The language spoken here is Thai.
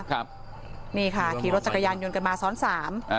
ครับนี่ค่ะขี่รถจักรยานยนต์กันมาซ้อนสามอ่า